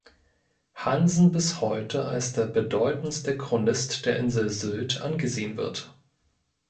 Hansen bis heute als der bedeutendste Chronist der Insel Sylt angesehen wird.